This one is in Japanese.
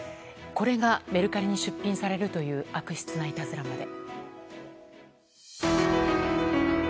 これがメルカリに出品されるという悪質ないたずらまで。